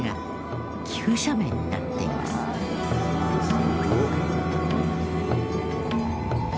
「すごっ！」